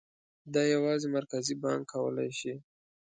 دا یوازې مرکزي بانک کولای شي.